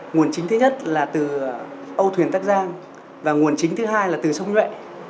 nguồn chính thứ nhất là từ âu thuyền tắc giang và nguồn chính thứ hai là từ sông nhuệ